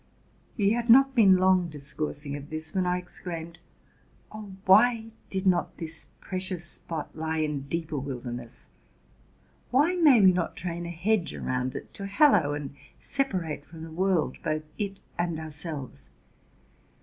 He had not been long dis coursing of this, when I exclaimed, ''Oh! why did not this precious spot lie in a deeper wilderness! why may we not train a hedge around it, to hallow and separate from the world both it and ourselves